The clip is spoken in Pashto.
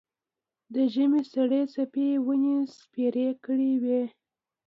د ژمي سړې څپې یې ونې سپېرې کړې وې.